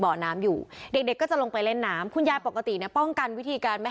บ่อน้ำอยู่เด็กเด็กก็จะลงไปเล่นน้ำคุณยายปกติเนี่ยป้องกันวิธีการไม่